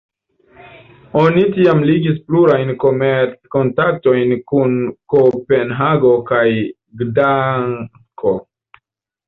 Oni tiam ligis plurajn komerc-kontaktojn kun Kopenhago kaj Gdansko.